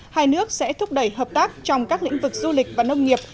hai nước sẽ thúc đẩy hợp tác trong các lĩnh vực du lịch và nông nghiệp